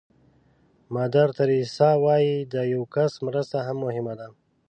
مادر تریسیا وایي د یو کس مرسته هم مهمه ده.